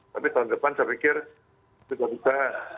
tapi tahun depan saya pikir sudah bisa